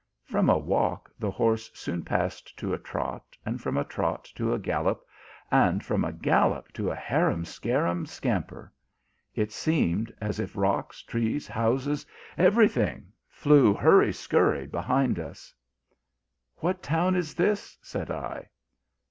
" From a walk the horse soon passed to a trot, from a trot to a gallop, and from a gallop to a harum scarum scamper. It seemed as if rocks, trees, houses, every thing, flew hurry scurry behind us. GOVERNOR MANGO AND SOLDIER. 257 " What town is this ? said I.